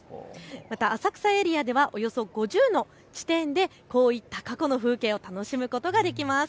また浅草エリアではおよそ５０の地点でこういった過去の風景を楽しむことができます。